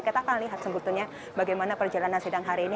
kita akan lihat sebetulnya bagaimana perjalanan sidang hari ini